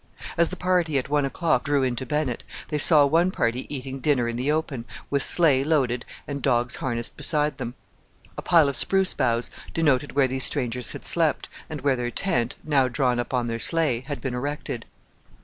As the party at one o'clock drew into Bennett, they saw one party eating dinner in the open, with sleigh loaded and dogs harnessed beside them. A pile of spruce boughs denoted where these strangers had slept, and where their tent, now drawn up on their sleigh, had been erected.